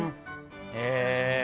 へえ。